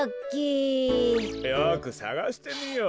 よくさがしてみよう。